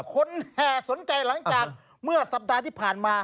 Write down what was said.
แห่สนใจหลังจากเมื่อสัปดาห์ที่ผ่านมา